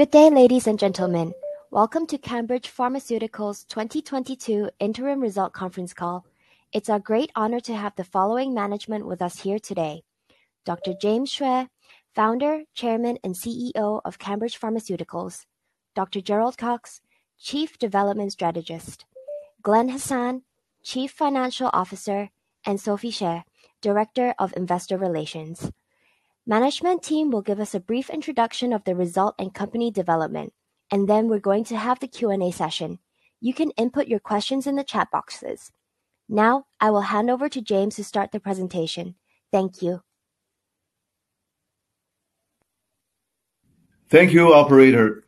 Good day, ladies and gentlemen. Welcome to CANbridge Pharmaceuticals' 2022 interim result conference call. It's our great honor to have the following management with us here today. Dr. James Xue, Founder, Chairman, and CEO of CANbridge Pharmaceuticals. Dr. Gerald Cox, Chief Development Strategist. Glenn Hassan, Chief Financial Officer, and Sophie Xie, Director of Investor Relations. Management team will give us a brief introduction of the result and company development, and then we're going to have the Q&A session. You can input your questions in the chat boxes. Now, I will hand over to James to start the presentation. Thank you. Thank you, operator.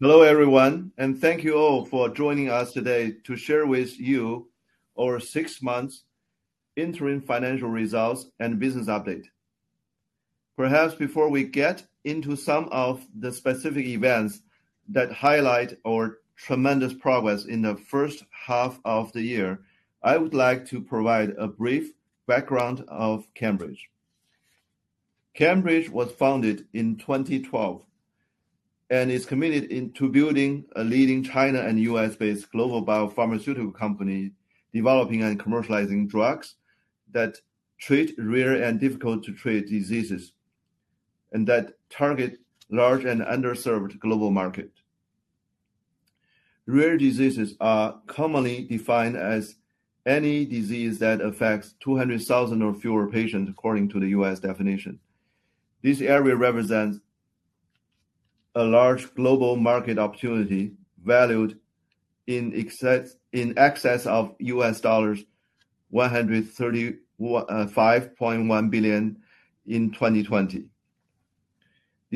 Hello, everyone, and thank you all for joining us today to share with you our six months interim financial results and business update. Perhaps before we get into some of the specific events that highlight our tremendous progress in the first half of the year, I would like to provide a brief background of CANbridge. CANbridge was founded in 2012 and is committed to building a leading China and U.S.-based global biopharmaceutical company, developing and commercializing drugs that treat rare and difficult to treat diseases, and that target large and underserved global market. Rare diseases are commonly defined as any disease that affects 200,000 or fewer patients, according to the U.S. definition. This area represents a large global market opportunity valued in excess of $135.1 billion in 2020.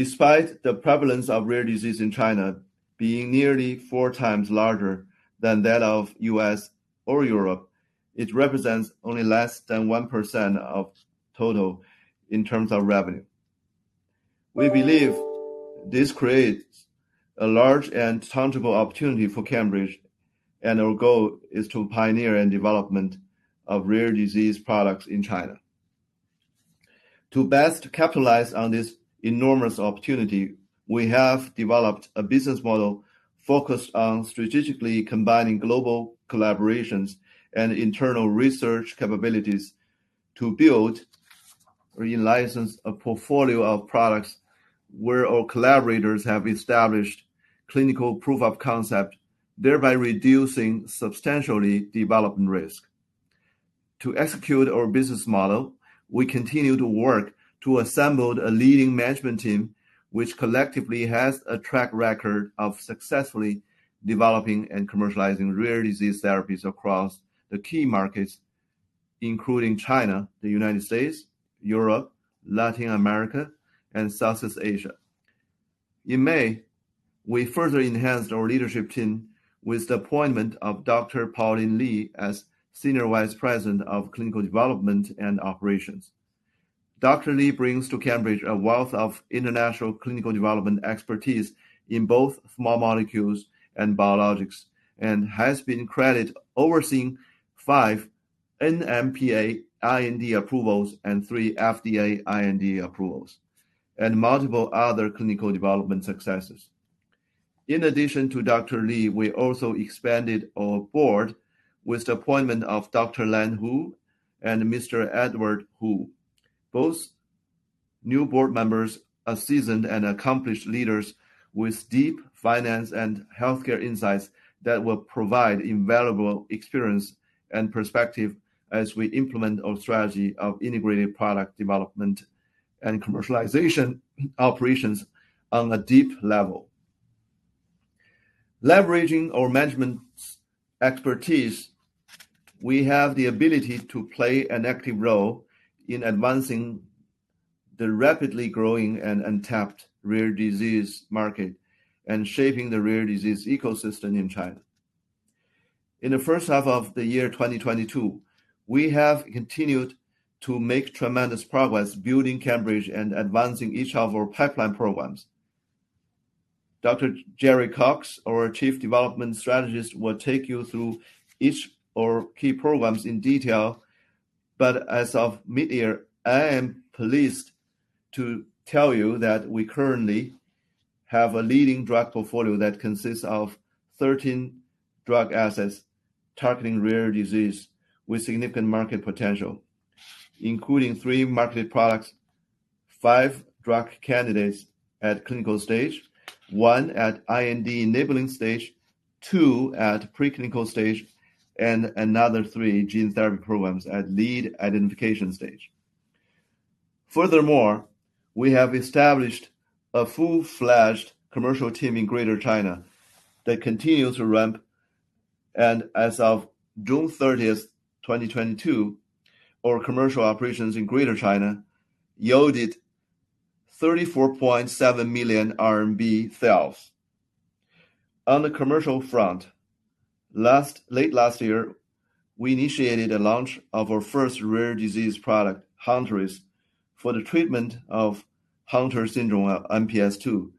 Despite the prevalence of rare disease in China being nearly four times larger than that of U.S. or Europe, it represents only less than 1% of total in terms of revenue. We believe this creates a large and tangible opportunity for CANbridge, and our goal is to pioneer in development of rare disease products in China. To best capitalize on this enormous opportunity, we have developed a business model focused on strategically combining global collaborations and internal research capabilities to build or in-license a portfolio of products where our collaborators have established clinical proof of concept, thereby reducing substantially development risk. To execute our business model, we continue to work to assemble a leading management team, which collectively has a track record of successfully developing and commercializing rare disease therapies across the key markets, including China, the United States, Europe, Latin America, and Southeast Asia. In May, we further enhanced our leadership team with the appointment of Dr. Pauline Li as Senior Vice President of Clinical Development and Operations. Dr. Li brings to CANbridge a wealth of international clinical development expertise in both small molecules and biologics, and has been credited with overseeing five NMPA IND approvals and three FDA IND approvals, and multiple other clinical development successes. In addition to Dr. Li, we also expanded our board with the appointment of Dr. Lan Hu and Mr. Edward Hu. Both new board members are seasoned and accomplished leaders with deep finance and healthcare insights that will provide invaluable experience and perspective as we implement our strategy of integrated product development and commercialization operations on a deep level. Leveraging our management's expertise, we have the ability to play an active role in advancing the rapidly growing and untapped rare disease market and shaping the rare disease ecosystem in China. In the first half of the year 2022, we have continued to make tremendous progress building CANbridge and advancing each of our pipeline programs. Dr. Gerry Cox, our Chief Development Strategist, will take you through each of our key programs in detail. As of mid-year, I am pleased to tell you that we currently have a leading drug portfolio that consists of 13 drug assets targeting rare disease with significant market potential, including 3 marketed products, 5 drug candidates at clinical stage, 1 at IND-enabling stage, 2 at preclinical stage, and another 3 gene therapy programs at lead identification stage. Furthermore, we have established a full-fledged commercial team in Greater China that continue to ramp, and as of June 30, 2022, our commercial operations in Greater China yielded 34.7 million RMB sales. On the commercial front, late last year, we initiated the launch of our first rare disease product, Hunterase, for the treatment of Hunter syndrome, MPS II,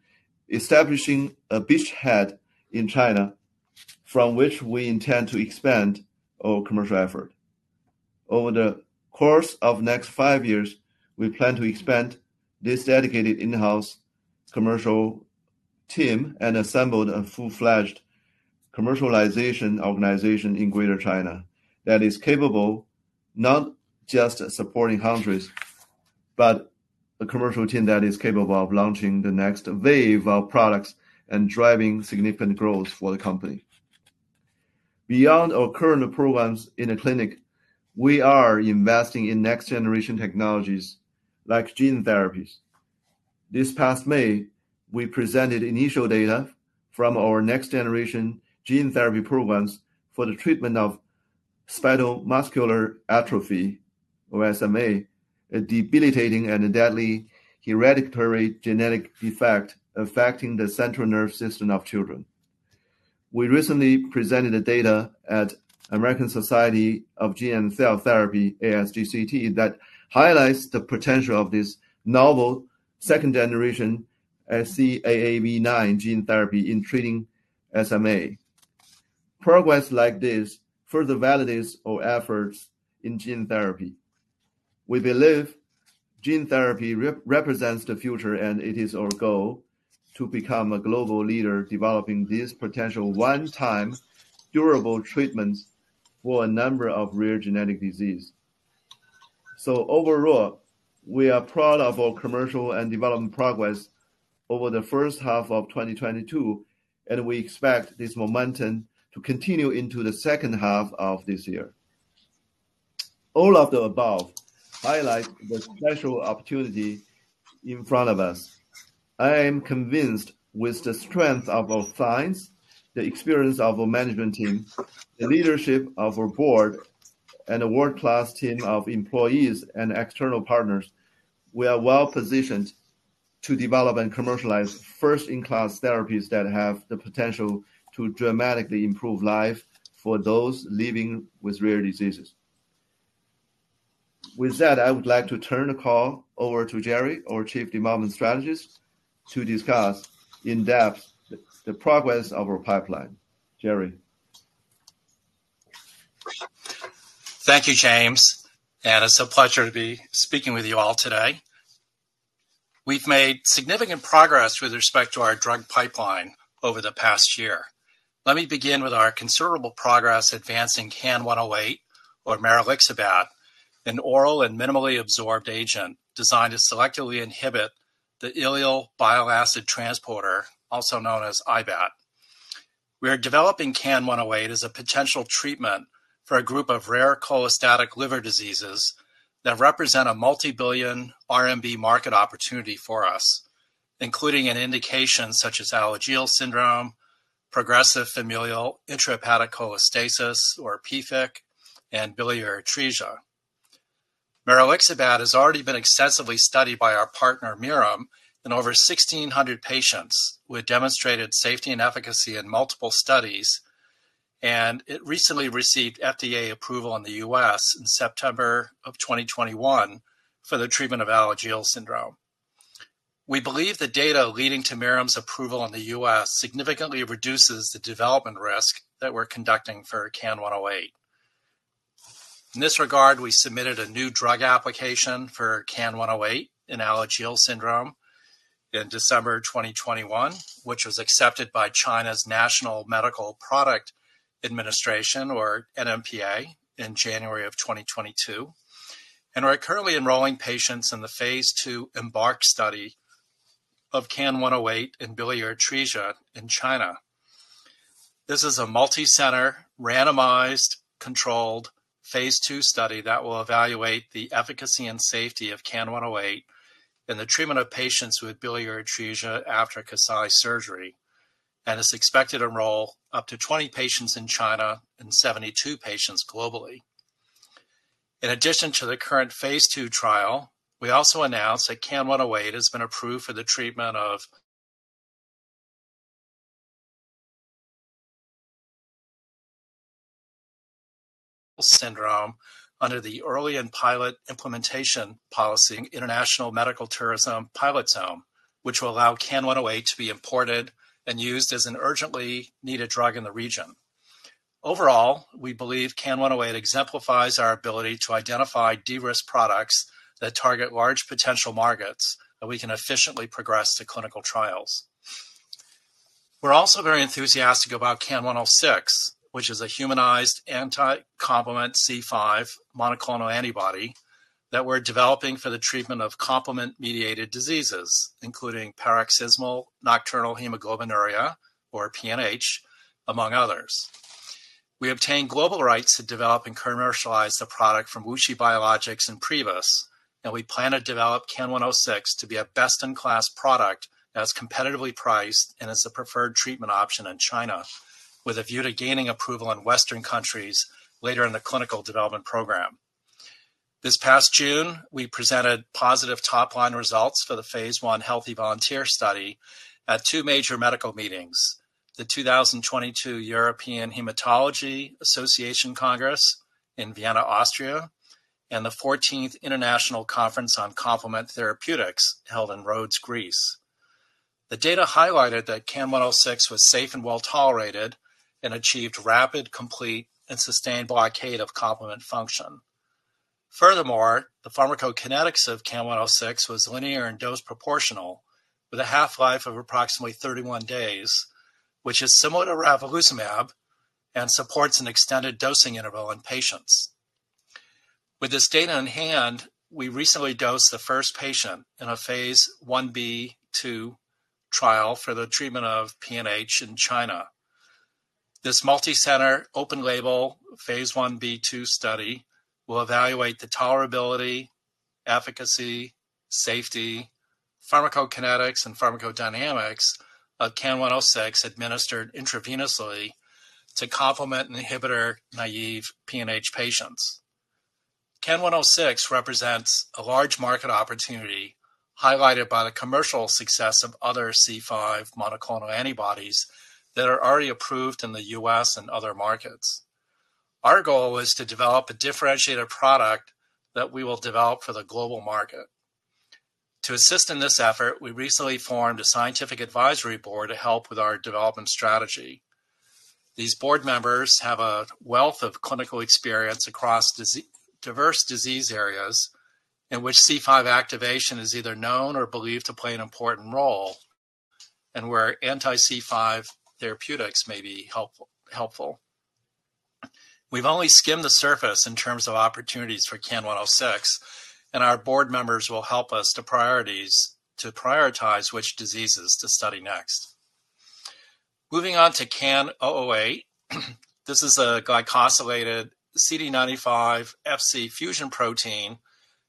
establishing a beachhead in China from which we intend to expand our commercial effort. Over the course of next five years, we plan to expand this dedicated in-house commercial team and assembled a full-fledged commercialization organization in Greater China that is capable not just supporting countries, but a commercial team that is capable of launching the next wave of products and driving significant growth for the company. Beyond our current programs in the clinic, we are investing in next-generation technologies like gene therapies. This past May, we presented initial data from our next-generation gene therapy programs for the treatment of spinal muscular atrophy, or SMA, a debilitating and deadly hereditary genetic defect affecting the central nervous system of children. We recently presented the data at American Society of Gene & Cell Therapy, ASGCT, that highlights the potential of this novel second-generation scAAV9 gene therapy in treating SMA. Progress like this further validates our efforts in gene therapy. We believe gene therapy represents the future, and it is our goal to become a global leader developing these potential one-time durable treatments for a number of rare genetic disease. Overall, we are proud of our commercial and development progress over the first half of 2022, and we expect this momentum to continue into the second half of this year. All of the above highlight the special opportunity in front of us. I am convinced with the strength of our science, the experience of our management team, the leadership of our board, and a world-class team of employees and external partners, we are well-positioned to develop and commercialize first-in-class therapies that have the potential to dramatically improve life for those living with rare diseases. With that, I would like to turn the call over to Gerry, our Chief Development Strategist, to discuss in depth the progress of our pipeline. Gerry? Thank you, James, and it's a pleasure to be speaking with you all today. We've made significant progress with respect to our drug pipeline over the past year. Let me begin with our considerable progress advancing CAN-108 or Maralixabat, an oral and minimally absorbed agent designed to selectively inhibit the ileal bile acid transporter, also known as IBAT. We are developing CAN-108 as a potential treatment for a group of rare cholestatic liver diseases that represent a multi-billion RMB market opportunity for us, including an indication such as Alagille syndrome, progressive familial intrahepatic cholestasis, or PFIC, and biliary atresia. Maralixabat has already been extensively studied by our partner Mirum in over 1,600 patients. We had demonstrated safety and efficacy in multiple studies, and it recently received FDA approval in the U.S. in September of 2021 for the treatment of Alagille syndrome. We believe the data leading to Mirum's approval in the U.S. significantly reduces the development risk that we're conducting for CAN-108. In this regard, we submitted a new drug application for CAN-108 in Alagille syndrome in December 2021, which was accepted by China's National Medical Products Administration or NMPA in January 2022. We're currently enrolling patients in the phase 2 EMBARK study of CAN-108 in biliary atresia in China. This is a multi-center, randomized, controlled phase 2 study that will evaluate the efficacy and safety of CAN-108 in the treatment of patients with biliary atresia after Kasai surgery, and is expected to enroll up to 20 patients in China and 72 patients globally. In addition to the current phase two trial, we also announced that CAN-108 has been approved for the treatment of Alagille syndrome under the early and pilot implementation policy in Boao Lecheng International Medical Tourism Pilot Zone, which will allow CAN-108 to be imported and used as an urgently needed drug in the region. Overall, we believe CAN-108 exemplifies our ability to identify de-risk products that target large potential markets that we can efficiently progress to clinical trials. We're also very enthusiastic about CAN-106, which is a humanized anti-complement C5 monoclonal antibody that we're developing for the treatment of complement-mediated diseases, including paroxysmal nocturnal hemoglobinuria or PNH, among others. We obtained global rights to develop and commercialize the product from WuXi Biologics and Privus, and we plan to develop CAN-106 to be a best-in-class product that's competitively priced and is the preferred treatment option in China, with a view to gaining approval in Western countries later in the clinical development program. This past June, we presented positive top-line results for the phase 1 healthy volunteer study at two major medical meetings, the 2022 European Hematology Association Congress in Vienna, Austria, and the 14th International Conference on Complement Therapeutics held in Rhodes, Greece. The data highlighted that CAN-106 was safe and well-tolerated and achieved rapid, complete, and sustained blockade of complement function. Furthermore, the pharmacokinetics of CAN-106 was linear and dose proportional with a half-life of approximately 31 days, which is similar to ravulizumab and supports an extended dosing interval in patients. With this data in hand, we recently dosed the first patient in a phase 1b/2 trial for the treatment of PNH in China. This multicenter, open-label, phase 1b/2 study will evaluate the tolerability, efficacy, safety, pharmacokinetics, and pharmacodynamics of CAN-106 administered intravenously to complement inhibitor naive PNH patients. CAN-106 represents a large market opportunity highlighted by the commercial success of other C5 monoclonal antibodies that are already approved in the U.S. and other markets. Our goal is to develop a differentiated product that we will develop for the global market. To assist in this effort, we recently formed a scientific advisory board to help with our development strategy. These board members have a wealth of clinical experience across diverse disease areas in which C5 activation is either known or believed to play an important role, and where anti-C5 therapeutics may be helpful. We've only skimmed the surface in terms of opportunities for CAN-106, and our board members will help us to prioritize which diseases to study next. Moving on to CAN008. This is a glycosylated CD95-Fc fusion protein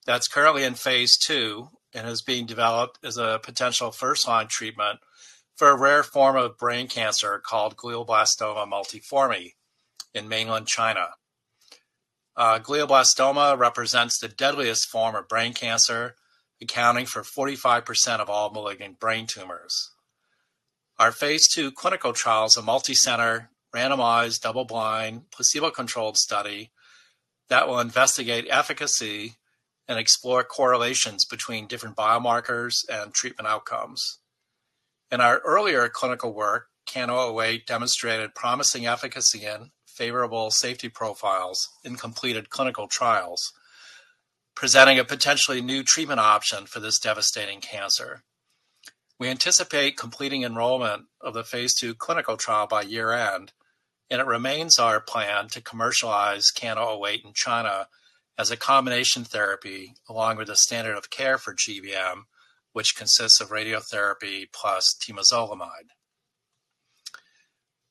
that's currently in phase 2 and is being developed as a potential first-line treatment for a rare form of brain cancer called glioblastoma multiforme in mainland China. Glioblastoma represents the deadliest form of brain cancer, accounting for 45% of all malignant brain tumors. Our phase 2 clinical trial is a multicenter, randomized, double-blind, placebo-controlled study that will investigate efficacy and explore correlations between different biomarkers and treatment outcomes. In our earlier clinical work, CAN008 demonstrated promising efficacy and favorable safety profiles in completed clinical trials, presenting a potentially new treatment option for this devastating cancer. We anticipate completing enrollment of the phase 2 clinical trial by year-end, and it remains our plan to commercialize CAN008 in China as a combination therapy, along with the standard of care for GBM, which consists of radiotherapy plus temozolomide.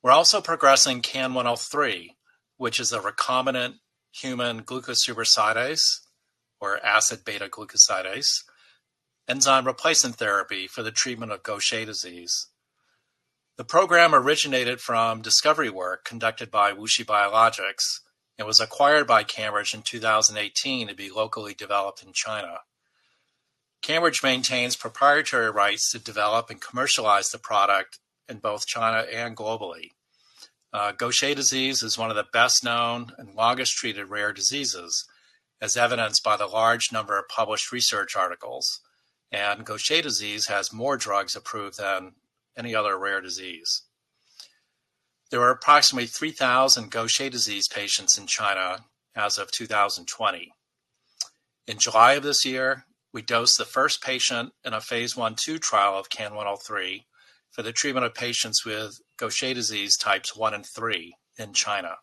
We're also progressing CAN103, which is a recombinant human glucocerebrosidase or acid beta-glucosidase enzyme replacement therapy for the treatment of Gaucher disease. The program originated from discovery work conducted by WuXi Biologics and was acquired by CANbridge in 2018 to be locally developed in China. CANbridge maintains proprietary rights to develop and commercialize the product in both China and globally. Gaucher disease is one of the best known and longest treated rare diseases, as evidenced by the large number of published research articles, and Gaucher disease has more drugs approved than any other rare disease. There are approximately 3,000 Gaucher disease patients in China as of 2020. In July of this year, we dosed the first patient in a phase 1/2 trial of CAN103 for the treatment of patients with Gaucher disease types 1 and 3 in China.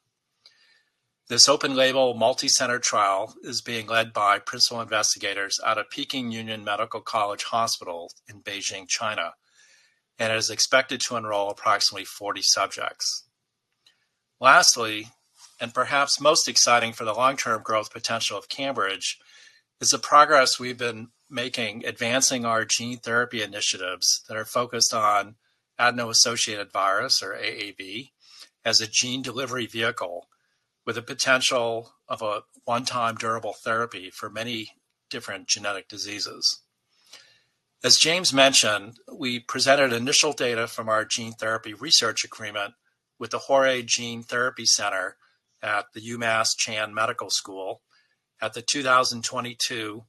This open label multicenter trial is being led by principal investigators out of Peking Union Medical College Hospital in Beijing, China, and is expected to enroll approximately 40 subjects. Lastly, and perhaps most exciting for the long-term growth potential of CANbridge, is the progress we've been making advancing our gene therapy initiatives that are focused on adeno-associated virus or AAV as a gene delivery vehicle with a potential of a one-time durable therapy for many different genetic diseases. As James mentioned, we presented initial data from our gene therapy research agreement with the Horae Gene Therapy Center at the UMass Chan Medical School at the 2022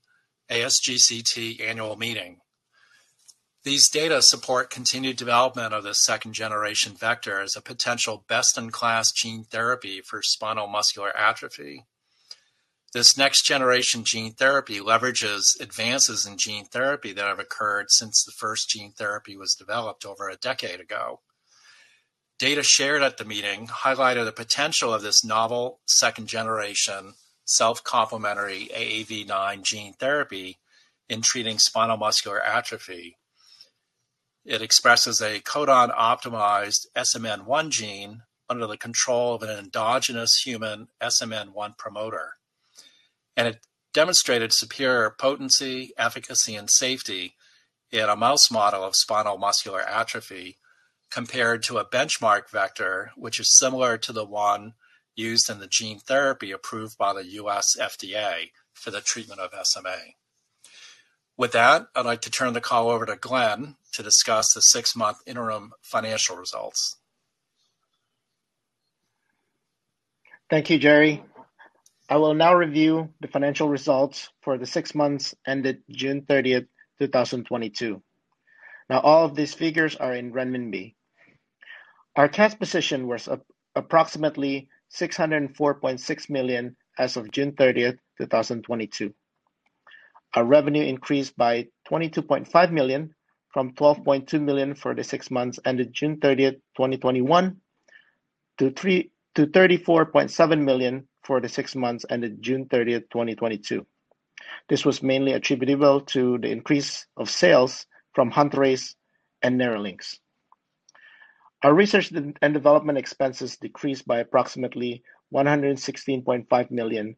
ASGCT annual meeting. These data support continued development of the second generation vector as a potential best in class gene therapy for spinal muscular atrophy. This next generation gene therapy leverages advances in gene therapy that have occurred since the first gene therapy was developed over a decade ago. Data shared at the meeting highlighted the potential of this novel second generation self-complementary AAV9 gene therapy in treating spinal muscular atrophy. It expresses a codon optimized SMN1 gene under the control of an endogenous human SMN1 promoter, and it demonstrated superior potency, efficacy, and safety in a mouse model of spinal muscular atrophy compared to a benchmark vector, which is similar to the one used in the gene therapy approved by the U.S. FDA for the treatment of SMA. With that, I'd like to turn the call over to Glenn to discuss the six-month interim financial results. Thank you, Gerry. I will now review the financial results for the six months ended June 30, 2022. All of these figures are in renminbi. Our cash position was approximately 604.6 million as of June 30, 2022. Our revenue increased by 22.5 million from 12.2 million for the six months ended June 30, 2021 to 34.7 million for the six months ended June 30, 2022. This was mainly attributable to the increase of sales from Hunterase and Nerlynx. Our research and development expenses decreased by approximately 116.5 million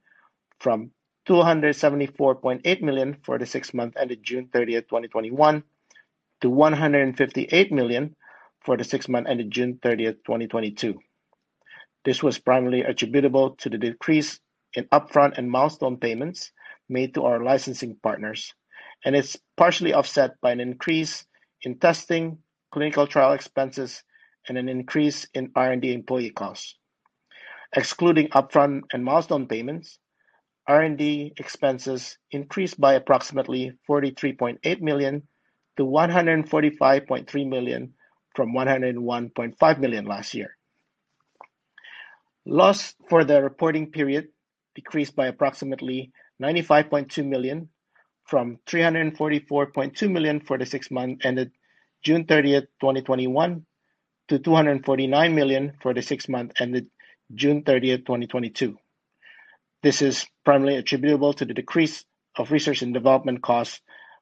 from 274.8 million for the six months ended June 30, 2021 to 158 million for the six months ended June 30, 2022. This was primarily attributable to the decrease in upfront and milestone payments made to our licensing partners, and it's partially offset by an increase in testing, clinical trial expenses, and an increase in R&D employee costs. Excluding upfront and milestone payments, R&D expenses increased by approximately 43.8 million to 145.3 million from 101.5 million last year. Loss for the reporting period decreased by approximately 95.2 million from 344.2 million for the six months ended June 30, 2021 to 249 million for the six months ended June 30, 2022. This is primarily attributable to the decrease of research and development costs,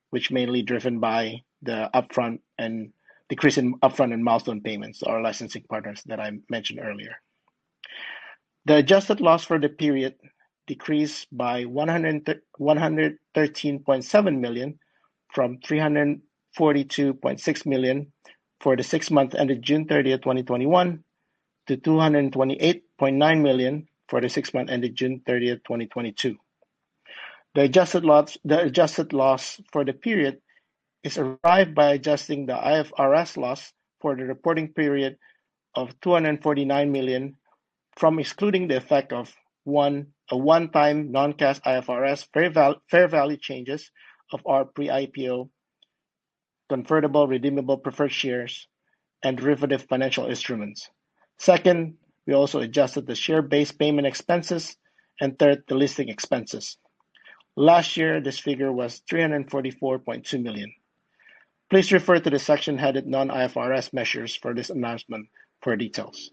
which mainly driven by the decrease in upfront and milestone payments to our licensing partners that I mentioned earlier. The adjusted loss for the period decreased by 113.7 million from 342.6 million for the six months ended June 30, 2021 to 228.9 million for the six months ended June 30, 2022. The adjusted loss for the period is arrived by adjusting the IFRS loss for the reporting period of 249 million by excluding the effect of first, a one-time non-cash IFRS fair value changes of our pre-IPO convertible redeemable preferred shares and derivative financial instruments. Second, we also adjusted the share-based payment expenses. Third, the listing expenses. Last year, this figure was 344.2 million. Please refer to the section headed Non-IFRS Measures for this announcement for details.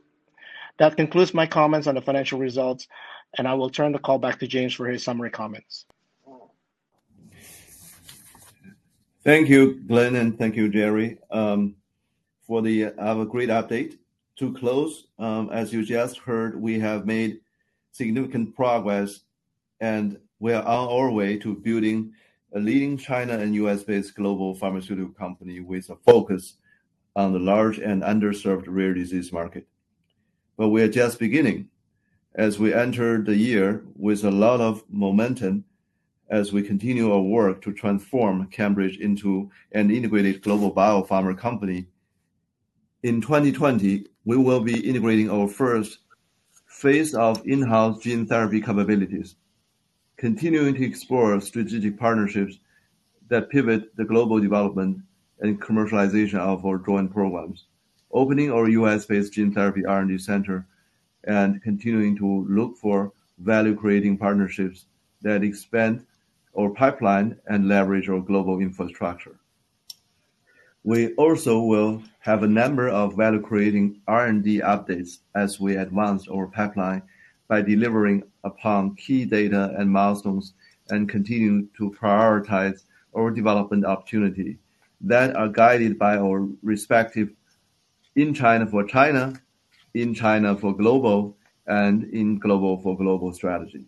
That concludes my comments on the financial results, and I will turn the call back to James for his summary comments. Thank you, Glenn, and thank you, Gerry, for the great update. To close, as you just heard, we have made significant progress, and we are on our way to building a leading China and US-based global pharmaceutical company with a focus on the large and underserved rare disease market. We are just beginning as we enter the year with a lot of momentum as we continue our work to transform CANbridge into an integrated global biopharma company. In 2020, we will be integrating our first phase of in-house gene therapy capabilities, continuing to explore strategic partnerships that pivot the global development and commercialization of our joint programs, opening our US-based gene therapy R&D center, and continuing to look for value-creating partnerships that expand our pipeline and leverage our global infrastructure. We also will have a number of value-creating R&D updates as we advance our pipeline by delivering upon key data and milestones and continuing to prioritize our development opportunity that are guided by our respective in China for China, in China for global, and in global for global strategy.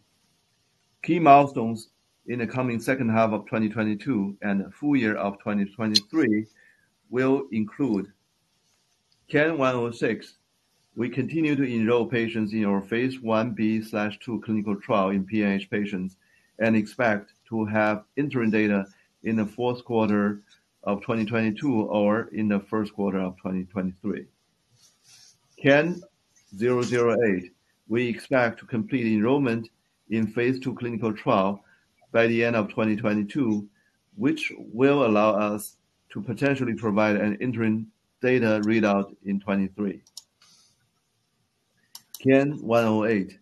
Key milestones in the coming second half of 2022 and full year of 2023 will include CAN-106. We continue to enroll patients in our phase 1b/2 clinical trial in PNH patients and expect to have interim data in the fourth quarter of 2022 or in the first quarter of 2023. CAN-008. We expect to complete enrollment in phase 2 clinical trial by the end of 2022, which will allow us to potentially provide an interim data readout in 2023. CAN-108.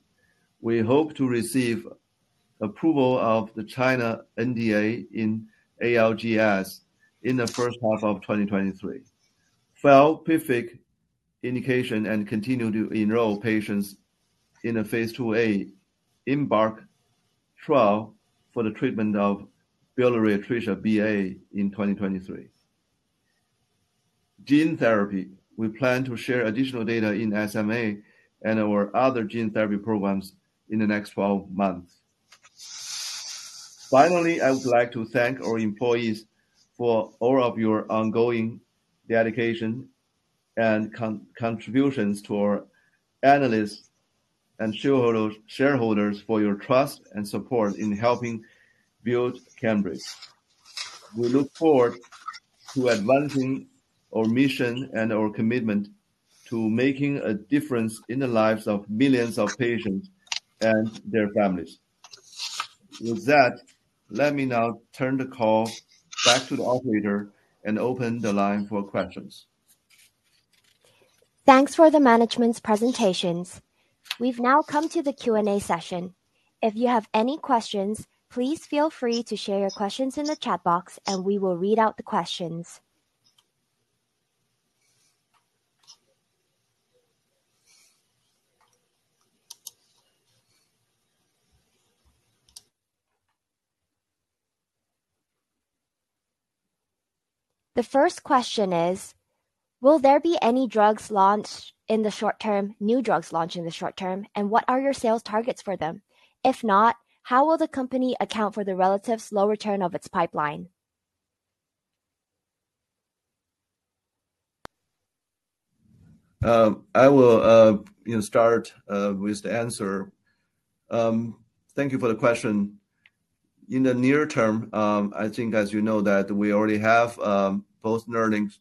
We hope to receive approval of the China NDA in ALGS in the first half of 2023. File PFIC indication and continue to enroll patients in a phase 2a EMBARK trial for the treatment of biliary atresia, BA, in 2023. Gene therapy. We plan to share additional data in SMA and our other gene therapy programs in the next 12 months. Finally, I would like to thank our employees for all of your ongoing dedication and contributions to our analysts and shareholders for your trust and support in helping build CANbridge. We look forward to advancing our mission and our commitment to making a difference in the lives of millions of patients and their families. With that, let me now turn the call back to the operator and open the line for questions. Thanks for the management's presentations. We've now come to the Q&A session. If you have any questions, please feel free to share your questions in the chat box and we will read out the questions. The first question is: Will there be any drugs launched in the short term, new drugs launched in the short term, and what are your sales targets for them? If not, how will the company account for the relative slow return of its pipeline? I will, you know, start with the answer. Thank you for the question. In the near term, I think as you know that we already have both Nerlynx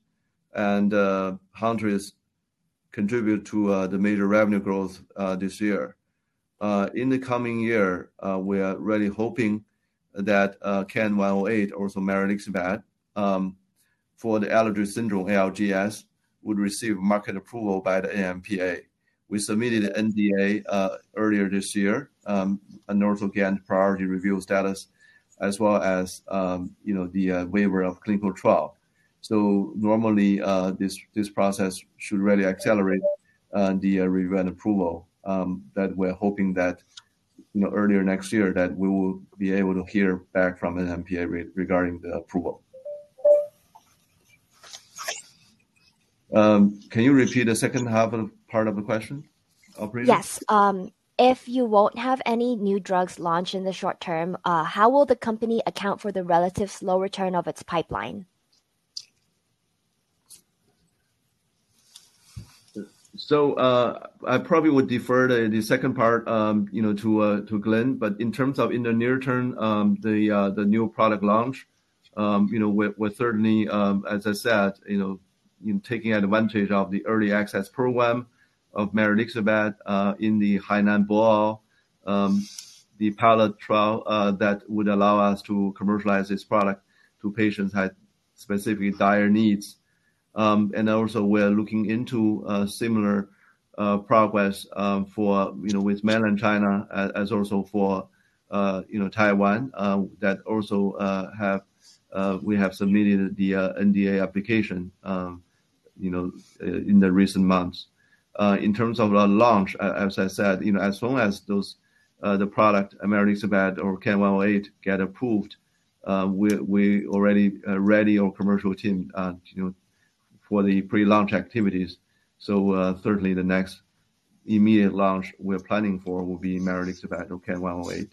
and Hunterase contribute to the major revenue growth this year. In the coming year, we are really hoping that CAN108 or maralixibat for the Alagille syndrome, ALGS, would receive market approval by the NMPA. We submitted an NDA earlier this year, an orphan drug priority review status as well as you know, the waiver of clinical trial. Normally, this process should really accelerate the review and approval that we're hoping that you know, earlier next year that we will be able to hear back from the NMPA regarding the approval. Can you repeat the second half of... Part of the question, operator? Yes. If you don't have any new drugs launched in the short term, how will the company account for the relatively slow return of its pipeline? I probably would defer the second part, you know, to Glenn. In terms of the near term, the new product launch, you know, we're certainly, as I said, you know, taking advantage of the early access program of maralixibat in the Hainan Boao pilot trial that would allow us to commercialize this product to patients had specific dire needs. We're looking into similar progress for, you know, with Mainland China as also for, you know, Taiwan that we have submitted the NDA application, you know, in the recent months. In terms of the launch, as I said, you know, as long as the product maralixibat or CAN108 get approved, we already ready our commercial team, you know, for the pre-launch activities. Certainly the next immediate launch we're planning for will be maralixibat or CAN108.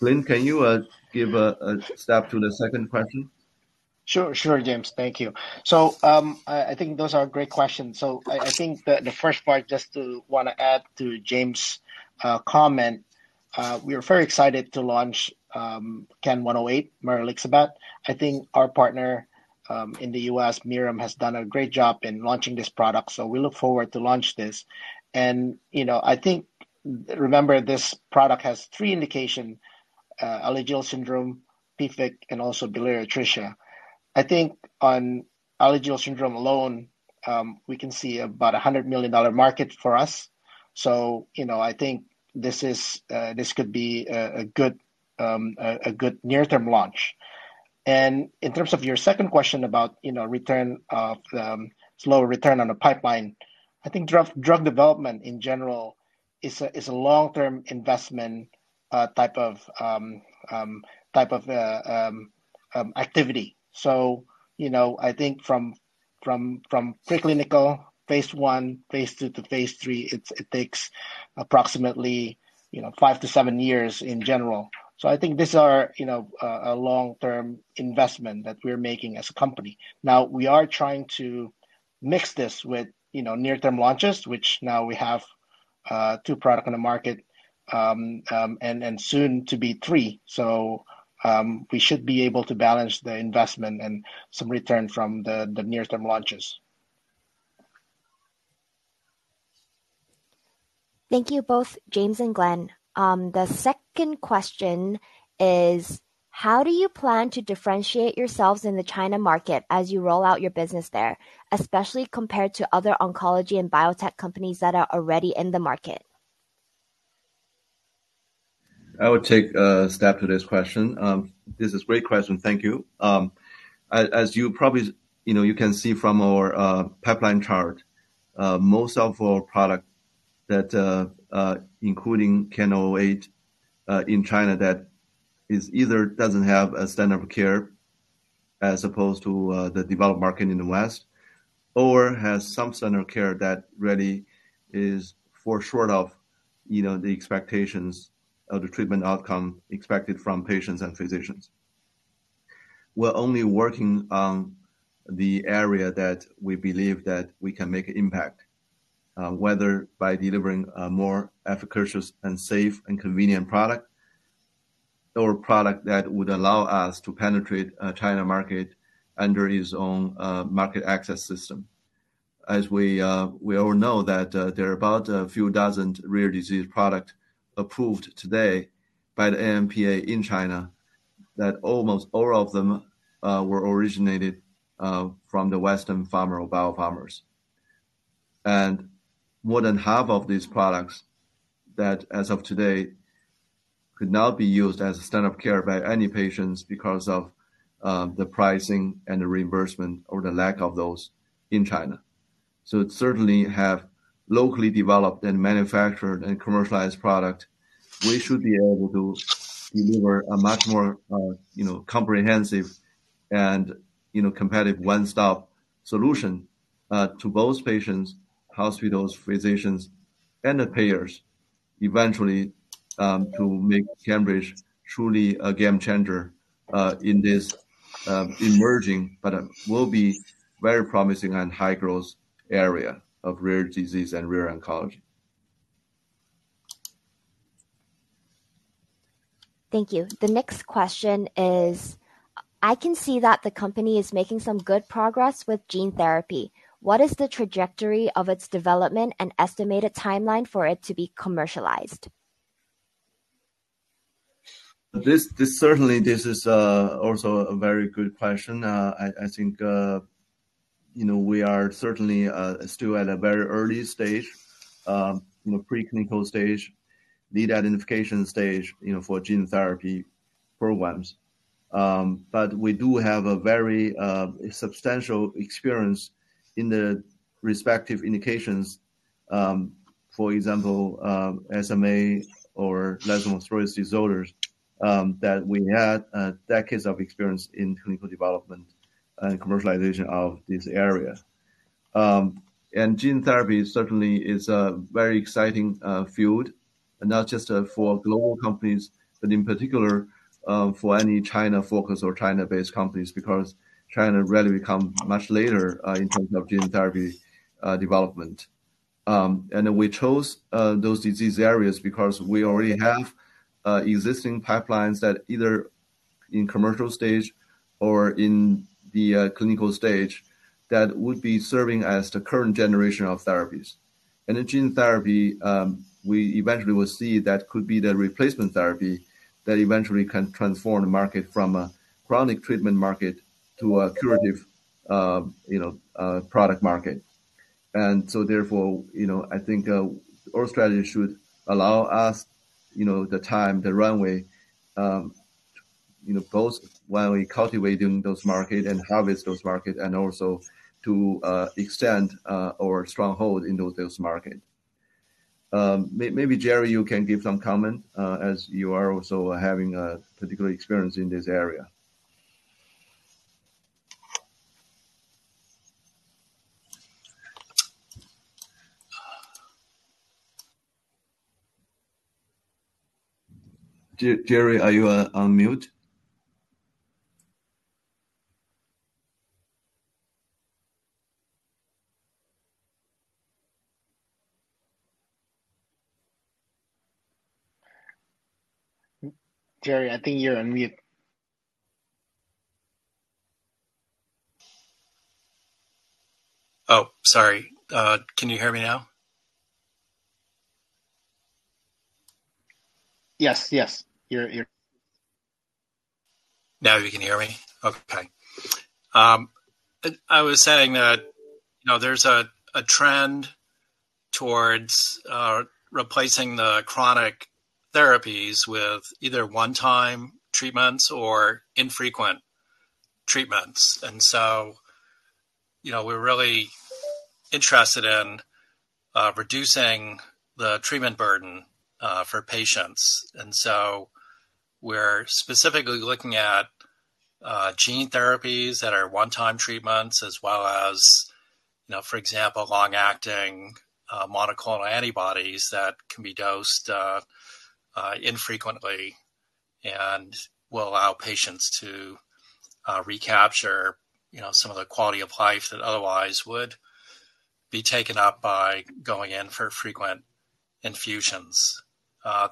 Glenn, can you give a stab at the second question? Sure, James. Thank you. I think those are great questions. I think the first part, just wanted to add to James' comment, we are very excited to launch CAN-108, maralixibat. I think our partner in the U.S., Mirum, has done a great job in launching this product, so we look forward to launch this. You know, I think. Remember, this product has three indication, Alagille syndrome, PFIC, and also biliary atresia. I think on Alagille syndrome alone, we can see about a $100 million market for us. You know, I think this is, this could be a good near-term launch. In terms of your second question about, you know, return on slow return on the pipeline, I think drug development in general is a long-term investment type of activity. You know, I think from pre-clinical phase one, phase two to phase three, it takes approximately 5-7 years in general. I think these are, you know, a long-term investment that we're making as a company. Now, we are trying to mix this with, you know, near-term launches, which now we have two product on the market and soon to be three. We should be able to balance the investment and some return from the near-term launches. Thank you both James and Glenn. The second question is: How do you plan to differentiate yourselves in the China market as you roll out your business there, especially compared to other oncology and biotech companies that are already in the market? I will take a stab at this question. This is great question. Thank you. As you probably you know, you can see from our pipeline chart, most of our product that including CAN008 in China that either doesn't have a standard of care as opposed to the developed market in the West or has some standard of care that really is fall short of you know, the expectations of the treatment outcome expected from patients and physicians. We're only working on the area that we believe that we can make impact. Whether by delivering a more efficacious and safe and convenient product or a product that would allow us to penetrate China market under its own market access system. We all know that there are about a few dozen rare disease product approved today by the NMPA in China, that almost all of them were originated from the Western pharma or biopharmas. More than half of these products that as of today could not be used as a standard care by any patients because of the pricing and the reimbursement or the lack of those in China. Certainly have locally developed and manufactured and commercialized product, we should be able to deliver a much more, you know, comprehensive and, you know, competitive one-stop solution to both patients, hospitals, physicians and the payers eventually to make CANbridge truly a game changer in this emerging but will be very promising and high-growth area of rare disease and rare oncology. Thank you. The next question is, I can see that the company is making some good progress with gene therapy. What is the trajectory of its development and estimated timeline for it to be commercialized? This certainly is also a very good question. I think, you know, we are certainly still at a very early stage, you know, preclinical stage, lead identification stage, you know, for gene therapy programs. But we do have a very substantial experience in the respective indications, for example, SMA or lysosomal storage disorders, that we had decades of experience in clinical development and commercialization of this area. Gene therapy certainly is a very exciting field, not just for global companies, but in particular for any China-focused or China-based companies because China really come much later in terms of gene therapy development. We chose those disease areas because we already have existing pipelines that either in commercial stage or in the clinical stage that would be serving as the current generation of therapies. In gene therapy, we eventually will see that could be the replacement therapy that eventually can transform the market from a chronic treatment market to a curative, you know, product market. Therefore, you know, I think our strategy should allow us, you know, the time, the runway, you know, both while we cultivating those market and harvest those market and also to extend our stronghold in those sales market. Maybe, Gerry, you can give some comment as you are also having a particular experience in this area. Gerry, are you on mute? Gerry, I think you're on mute. Oh, sorry. Can you hear me now? Yes. You're Now you can hear me? Okay. I was saying that, you know, there's a trend towards replacing the chronic therapies with either one-time treatments or infrequent treatments. You know, we're really interested in reducing the treatment burden for patients. We're specifically looking at gene therapies that are one-time treatments as well as, you know, for example, long-acting monoclonal antibodies that can be dosed infrequently and will allow patients to recapture, you know, some of the quality of life that otherwise would be taken up by going in for frequent infusions.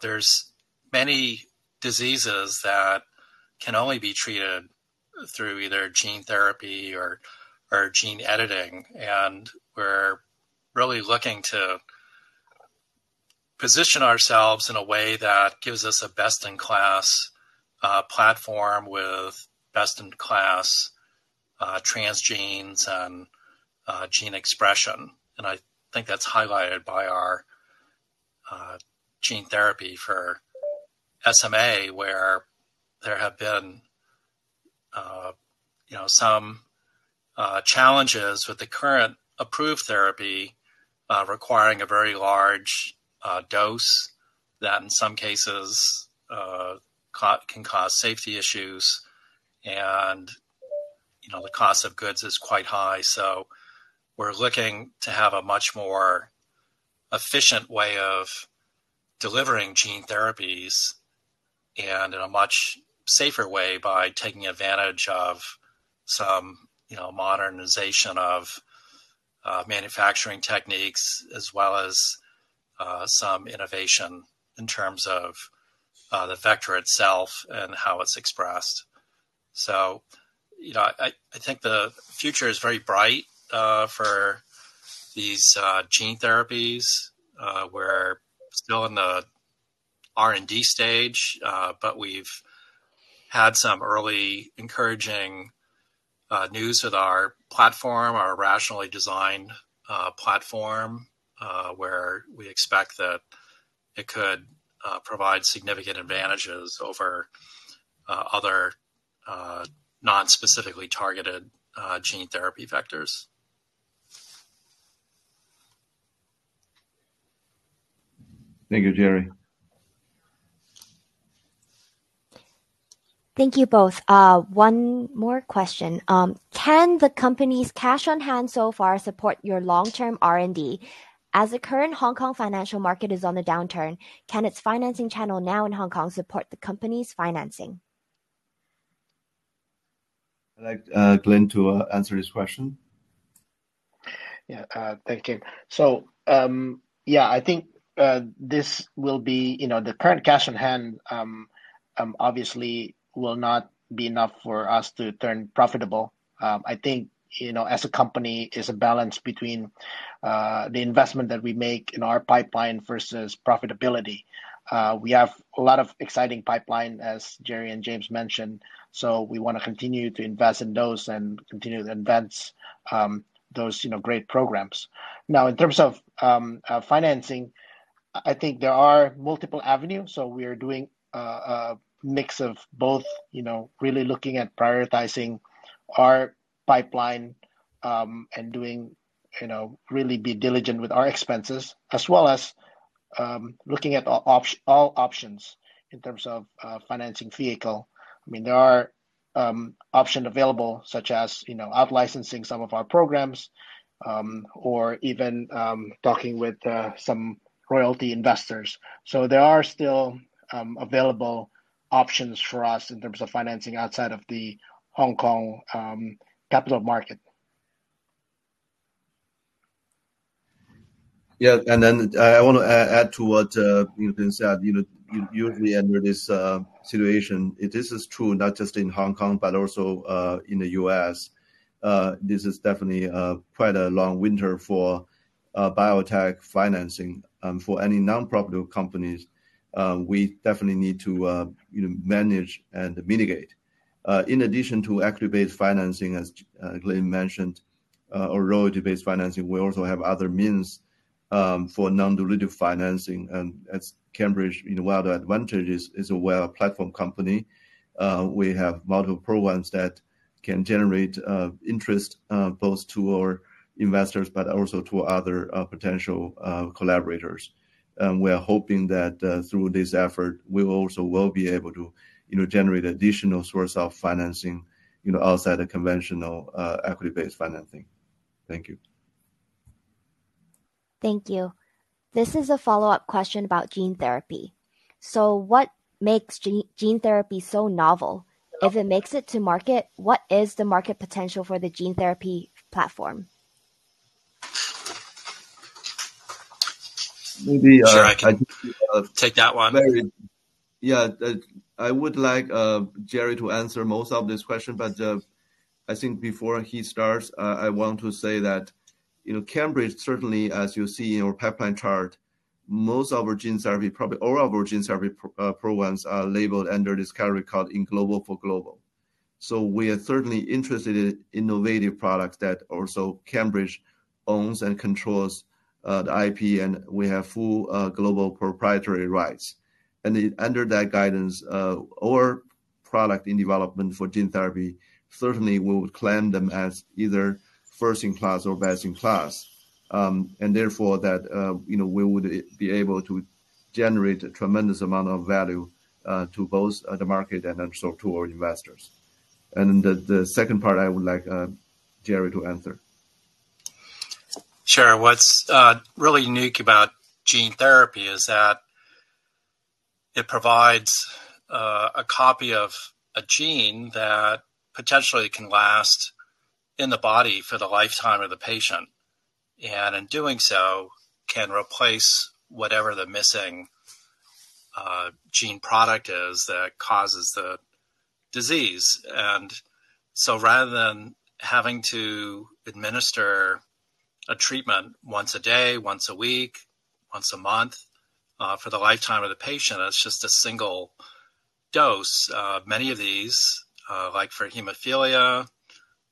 There's many diseases that can only be treated through either gene therapy or gene editing, and we're really looking to position ourselves in a way that gives us a best-in-class platform with best-in-class transgenes and gene expression. I think that's highlighted by our gene therapy for SMA, where there have been, you know, some challenges with the current approved therapy, requiring a very large dose that in some cases can cause safety issues and, you know, the cost of goods is quite high. We're looking to have a much more efficient way of delivering gene therapies in a much safer way by taking advantage of some, you know, modernization of manufacturing techniques as well as some innovation in terms of the vector itself and how it's expressed. You know, I think the future is very bright for these gene therapies. We're still in the R&D stage, but we've had some early encouraging news with our platform, our rationally designed platform, where we expect that it could provide significant advantages over other non-specifically targeted gene therapy vectors. Thank you, Gerry. Thank you both. One more question. Can the company's cash on hand so far support your long-term R&D? As the current Hong Kong financial market is on the downturn, can its financing channel now in Hong Kong support the company's financing? I'd like Glenn to answer this question. Yeah. Thank you. Yeah, I think this will be, you know, the current cash on hand obviously will not be enough for us to turn profitable. I think, you know, as a company is a balance between the investment that we make in our pipeline versus profitability. We have a lot of exciting pipeline, as Gerry and James mentioned, so we wanna continue to invest in those and continue to advance those, you know, great programs. Now, in terms of financing, I think there are multiple avenues, so we are doing a mix of both, you know, really looking at prioritizing our pipeline and doing, you know, really be diligent with our expenses as well as looking at all options in terms of financing vehicle. I mean, there are options available such as, you know, out licensing some of our programs, or even talking with some royalty investors. There are still available options for us in terms of financing outside of the Hong Kong capital market. Yeah. I want to add to what you know, Glenn said. You know, usually under this situation, it is as true, not just in Hong Kong, but also in the U.S., this is definitely quite a long winter for biotech financing for any non-profit companies. We definitely need to you know, manage and mitigate. In addition to equity-based financing, as Glenn mentioned, or royalty-based financing, we also have other means for non-dilutive financing, and as CANbridge, you know, one of the advantages is we're a platform company. We have multiple programs that can generate interest both to our investors but also to other potential collaborators. We are hoping that, through this effort, we also will be able to, you know, generate additional source of financing, you know, outside the conventional, equity-based financing. Thank you. Thank you. This is a follow-up question about gene therapy. What makes gene therapy so novel? If it makes it to market, what is the market potential for the gene therapy platform? Maybe. Sure, I can take that one. I would like Gerry to answer most of this question, but I think before he starts, I want to say that, you know, CANbridge, certainly as you see in our pipeline chart, all of our gene therapy programs are labeled under this category called in global for global. So we are certainly interested in innovative products that also CANbridge owns and controls, the IP, and we have full, global proprietary rights. Under that guidance, our product in development for gene therapy certainly we would claim them as either first in class or best in class. And therefore that, you know, we would be able to generate a tremendous amount of value, to both, the market and also to our investors. The second part I would like Gerry to answer. Sure. What's really unique about gene therapy is that it provides a copy of a gene that potentially can last in the body for the lifetime of the patient. In doing so, can replace whatever the missing gene product is that causes the disease. Rather than having to administer a treatment once a day, once a week, once a month, for the lifetime of the patient, it's just a single dose. Many of these, like for hemophilia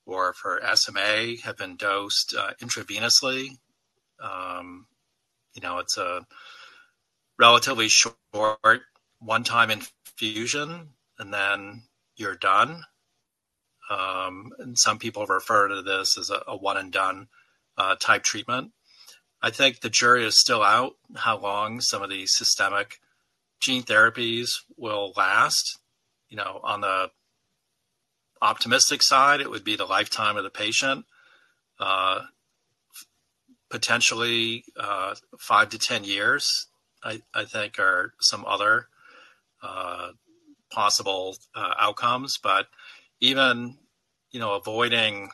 or for SMA, have been dosed intravenously. You know, it's a relatively short one-time infusion, and then you're done. Some people refer to this as a one and done type treatment. I think the jury is still out on how long some of these systemic gene therapies will last. You know, on the optimistic side, it would be the lifetime of the patient. Potentially, 5-10 years, I think are some other possible outcomes, but even, you know, avoiding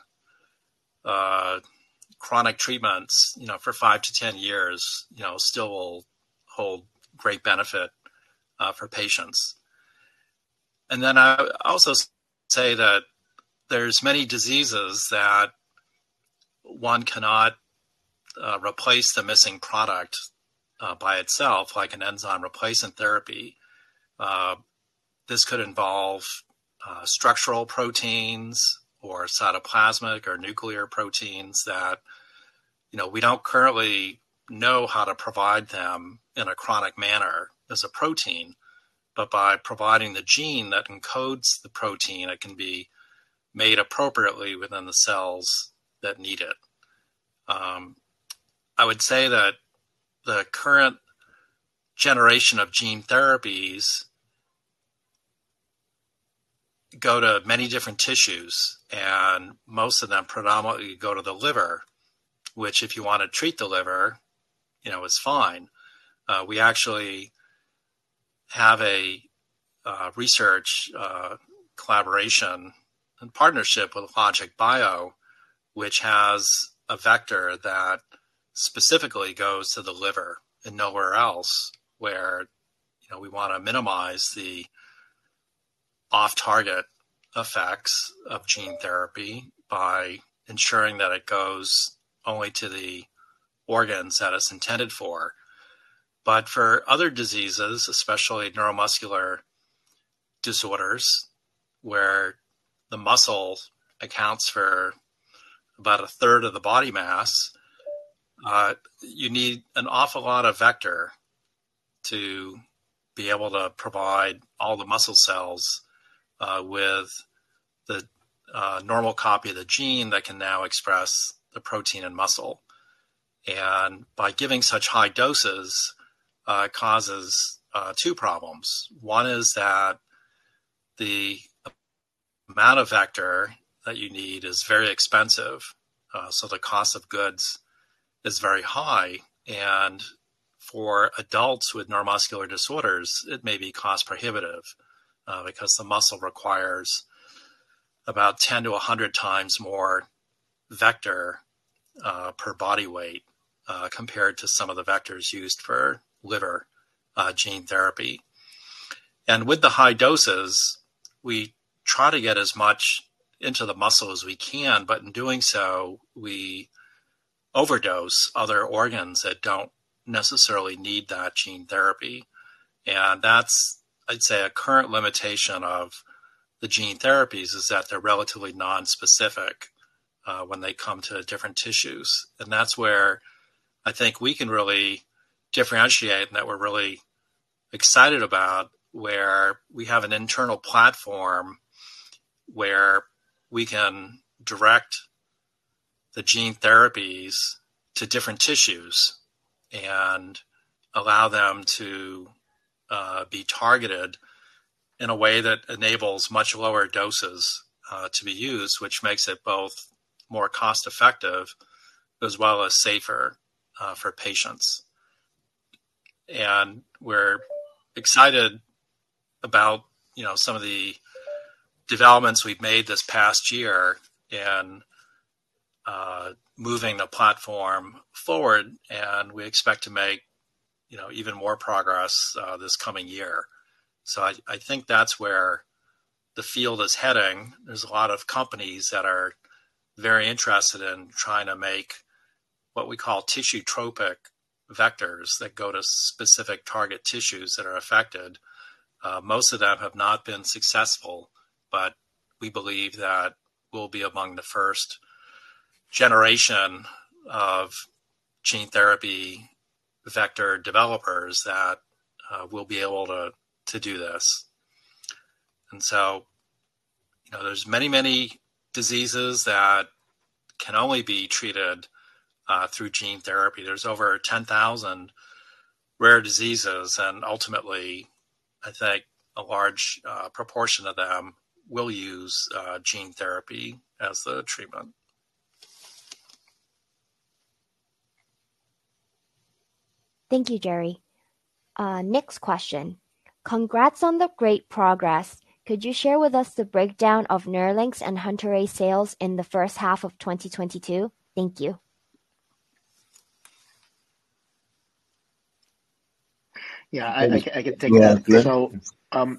chronic treatments, you know, for 5-10 years, you know, still will hold great benefit for patients. I also say that there's many diseases that one cannot replace the missing product by itself, like an enzyme replacement therapy. This could involve structural proteins or cytoplasmic or nuclear proteins that, you know, we don't currently know how to provide them in a chronic manner as a protein, but by providing the gene that encodes the protein, it can be made appropriately within the cells that need it. I would say that the current generation of gene therapies go to many different tissues, and most of them predominantly go to the liver, which if you wanna treat the liver, you know, is fine. We actually have a research collaboration and partnership with LogicBio, which has a vector that specifically goes to the liver and nowhere else, where, you know, we wanna minimize the off-target effects of gene therapy by ensuring that it goes only to the organs that it's intended for. But for other diseases, especially neuromuscular disorders, where the muscle accounts for about a third of the body mass, you need an awful lot of vector to be able to provide all the muscle cells with the normal copy of the gene that can now express the protein and muscle. By giving such high doses, it causes two problems. One is that the amount of vector that you need is very expensive, so the cost of goods is very high. For adults with neuromuscular disorders, it may be cost-prohibitive, because the muscle requires about 10-100 times more vector per body weight compared to some of the vectors used for liver gene therapy. With the high doses, we try to get as much into the muscle as we can, but in doing so, we overdose other organs that don't necessarily need that gene therapy. That's, I'd say, a current limitation of the gene therapies is that they're relatively nonspecific when they come to different tissues. That's where I think we can really differentiate and that we're really excited about, where we have an internal platform where we can direct the gene therapies to different tissues and allow them to be targeted in a way that enables much lower doses to be used, which makes it both more cost-effective as well as safer for patients. We're excited about, you know, some of the developments we've made this past year in moving the platform forward, and we expect to make, you know, even more progress this coming year. I think that's where the field is heading. There's a lot of companies that are very interested in trying to make what we call tissue-tropic vectors that go to specific target tissues that are affected. Most of them have not been successful, but we believe that we'll be among the first generation of gene therapy vector developers that will be able to do this. You know, there's many, many diseases that can only be treated through gene therapy. There's over 10,000 rare diseases and ultimately, I think a large proportion of them will use gene therapy as the treatment. Thank you, Gerry. Next question. Congrats on the great progress. Could you share with us the breakdown of Nerlynx and Hunterase sales in the first half of 2022? Thank you. Yeah. I can take that. Yeah.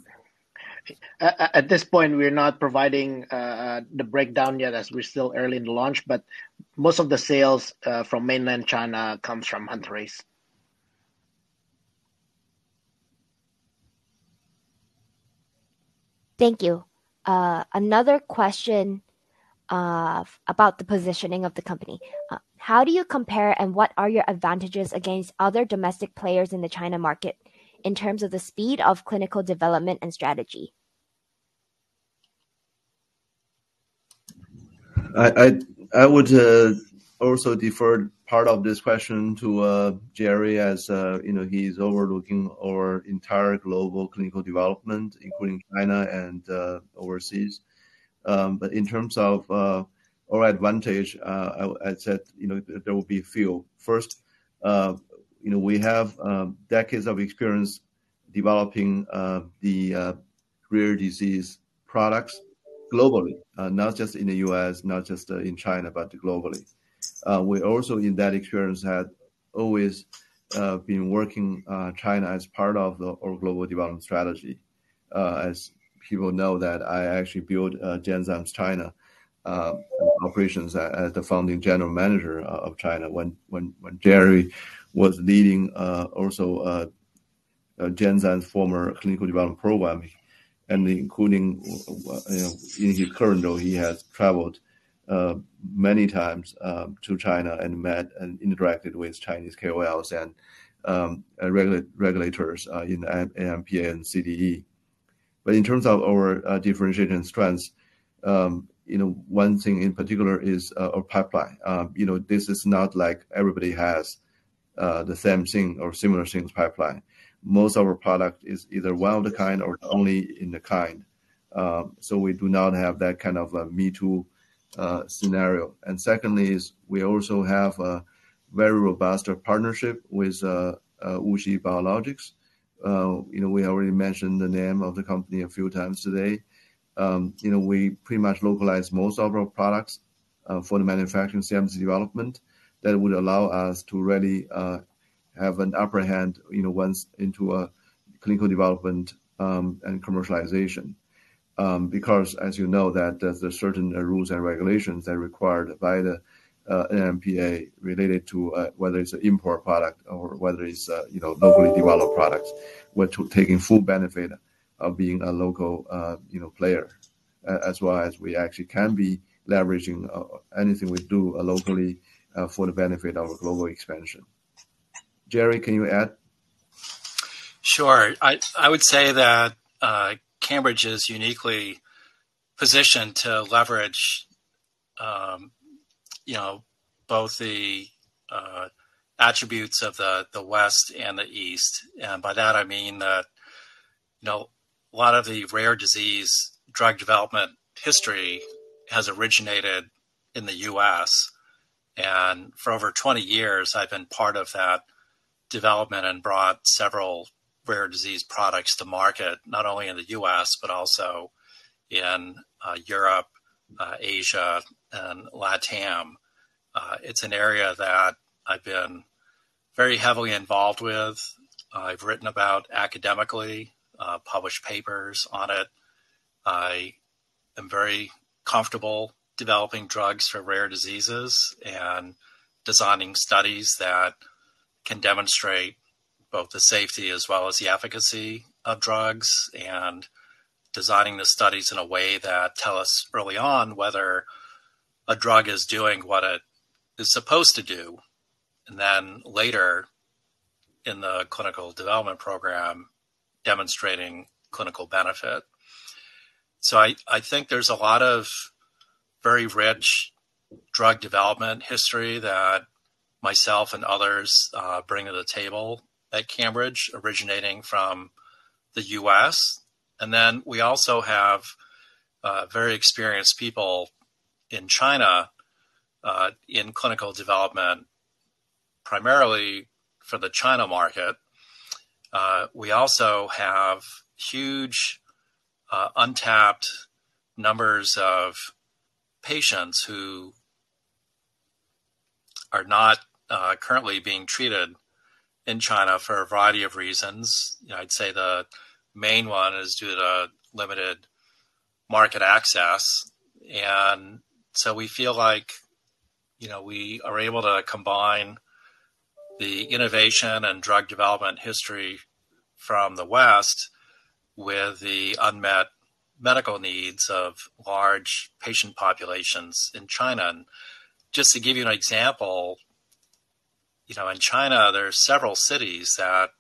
At this point, we're not providing the breakdown yet as we're still early in the launch, but most of the sales from mainland China comes from Hunterase. Thank you. Another question, about the positioning of the company. How do you compare and what are your advantages against other domestic players in the China market in terms of the speed of clinical development and strategy? I would also defer part of this question to Gerry as you know, he's overlooking our entire global clinical development, including China and overseas. In terms of our advantage, I'd say you know, there will be a few. First, you know, we have decades of experience Developing the rare disease products globally, not just in the U.S., not just in China, but globally. We also, in that experience, had always been working in China as part of our global development strategy. As people know that I actually built Genzyme's China operations as the founding general manager of China when Gerry was leading also Genzyme's former clinical development program, and including, you know, in his current role, he has traveled many times to China and met and interacted with Chinese KOLs and regulators in NMPA and CDE. In terms of our differentiation and strengths, you know, one thing in particular is our pipeline. You know, this is not like everybody has the same thing or similar things pipeline. Most of our product is either one of a kind or only one of a kind. So we do not have that kind of a me-too scenario. Secondly, we also have a very robust partnership with WuXi Biologics. You know, we already mentioned the name of the company a few times today. You know, we pretty much localize most of our products for the manufacturing CMC development that would allow us to really have an upper hand, you know, once into clinical development and commercialization. Because as you know that there's certain rules and regulations that are required by the NMPA related to whether it's an import product or whether it's, you know, locally developed products, which will take full benefit of being a local, you know, player. As well as we actually can be leveraging anything we do locally for the benefit of global expansion. Gerry, can you add? Sure. I would say that CANbridge is uniquely positioned to leverage you know both the attributes of the West and the East. By that, I mean that you know a lot of the rare disease drug development history has originated in the U.S. For over 20 years, I've been part of that development and brought several rare disease products to market, not only in the U.S., but also in Europe, Asia and LATAM. It's an area that I've been very heavily involved with. I've written about it academically, published papers on it. I am very comfortable developing drugs for rare diseases and designing studies that can demonstrate both the safety as well as the efficacy of drugs, and designing the studies in a way that tell us early on whether a drug is doing what it is supposed to do, and then later in the clinical development program, demonstrating clinical benefit. I think there's a lot of very rich drug development history that myself and others bring to the table at CANbridge, originating from the US. We also have very experienced people in China in clinical development, primarily for the China market. We also have huge untapped numbers of patients who are not currently being treated in China for a variety of reasons. You know, I'd say the main one is due to the limited market access. We feel like, you know, we are able to combine the innovation and drug development history from the West with the unmet medical needs of large patient populations in China. Just to give you an example, you know, in China, there are several cities that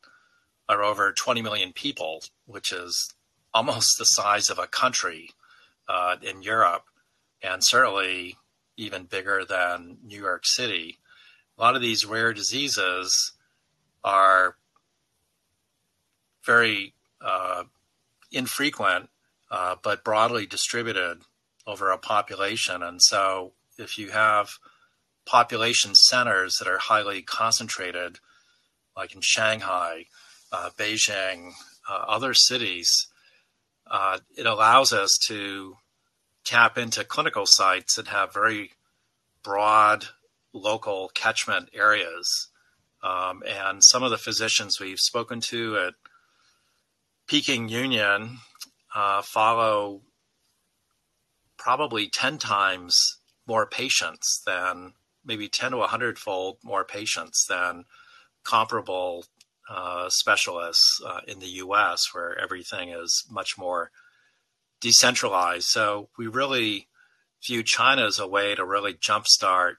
are over 20 million people, which is almost the size of a country in Europe, and certainly even bigger than New York City. A lot of these rare diseases are very infrequent, but broadly distributed over a population. If you have population centers that are highly concentrated, like in Shanghai, Beijing, other cities, it allows us to tap into clinical sites that have very broad local catchment areas. Some of the physicians we've spoken to at Peking Union follow probably 10 times more patients than, maybe 10- to 100-fold more patients than comparable specialists in the U.S., where everything is much more decentralized. We really view China as a way to really jumpstart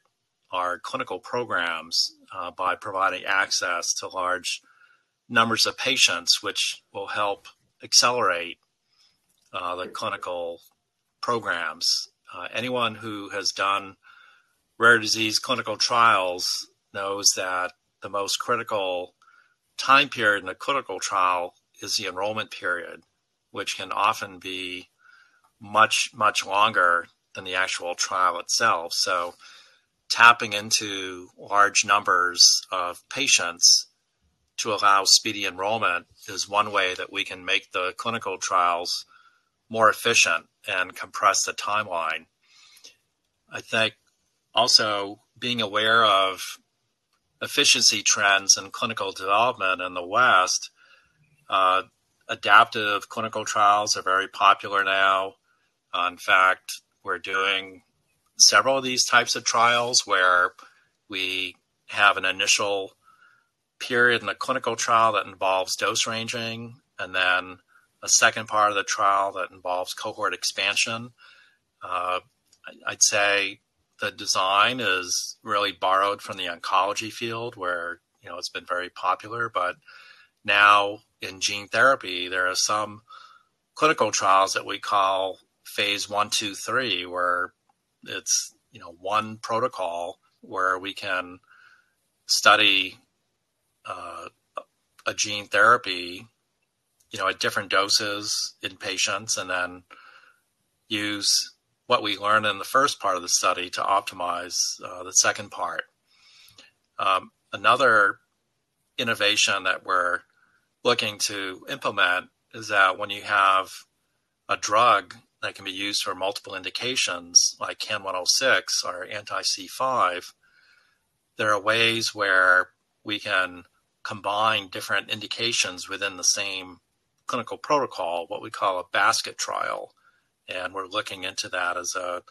our clinical programs by providing access to large numbers of patients, which will help accelerate the clinical programs. Anyone who has done rare disease clinical trials knows that the most critical time period in the clinical trial is the enrollment period, which can often be much, much longer than the actual trial itself. Tapping into large numbers of patients to allow speedy enrollment is one way that we can make the clinical trials more efficient and compress the timeline. I think also being aware of efficiency trends and clinical development in the West, adaptive clinical trials are very popular now. In fact, we're doing several of these types of trials where we have an initial period in the clinical trial that involves dose ranging and then a second part of the trial that involves cohort expansion. I'd say the design is really borrowed from the oncology field where, you know, it's been very popular, but now in gene therapy, there are some clinical trials that we call phase one, two, three, where it's, you know, one protocol where we can study a gene therapy, you know, at different doses in patients and then use what we learned in the first part of the study to optimize the second part. Another innovation that we're looking to implement is that when you have a drug that can be used for multiple indications like CAN106 or anti-C5, there are ways where we can combine different indications within the same clinical protocol, what we call a basket trial, and we're looking into that as a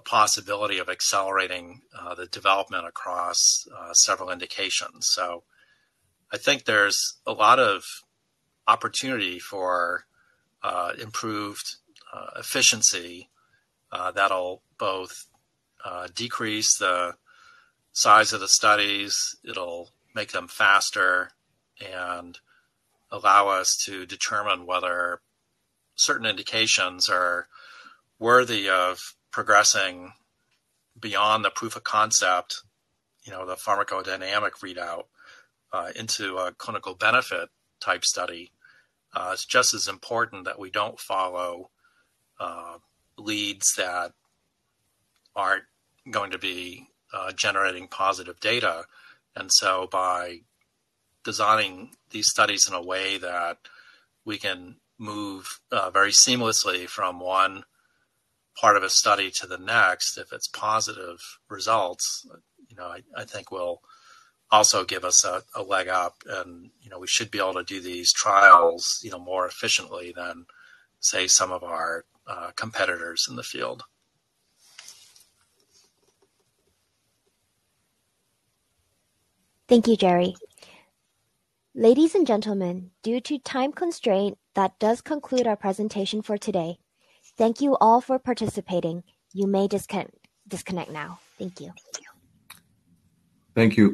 possibility of accelerating the development across several indications. I think there's a lot of opportunity for improved efficiency that'll both decrease the size of the studies, it'll make them faster and allow us to determine whether certain indications are worthy of progressing beyond the proof of concept, you know, the pharmacodynamic readout into a clinical benefit type study. It's just as important that we don't follow leads that aren't going to be generating positive data. By designing these studies in a way that we can move very seamlessly from one part of a study to the next if it's positive results, you know, I think will also give us a leg up and, you know, we should be able to do these trials, you know, more efficiently than, say, some of our competitors in the field. Thank you, Gerry. Ladies and gentlemen, due to time constraint, that does conclude our presentation for today. Thank you all for participating. You may disconnect now. Thank you. Thank you.